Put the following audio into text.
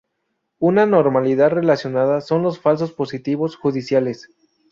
Una modalidad relacionada son los falsos positivos "judiciales".